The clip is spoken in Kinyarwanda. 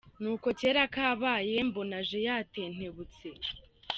N’uko kera kabaye mbona aje yatentebutse!